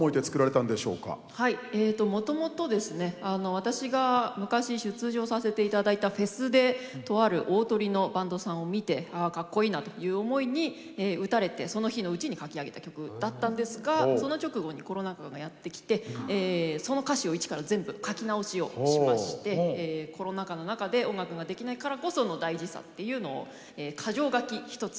私が昔出場させていただいたフェスでとある大トリのバンドさんを見てああかっこいいなという思いに打たれてその日のうちに書き上げた曲だったんですがその直後にコロナ禍がやって来てその歌詞を一から全部書き直しをしましてコロナ禍の中で音楽ができないからこその大事さっていうのを箇条書き「一つ」